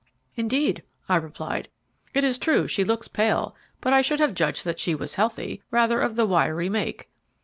"Indeed," I replied; "it is true she looks pale, but I should have judged that she was healthy rather of the wiry make."